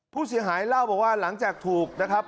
ผู้เสียหายเล่าบอกว่าหลังจากถูกนะครับ